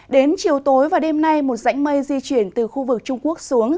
đến chiều tối và đêm nay một rãnh mây di chuyển từ khu vực trung quốc xuống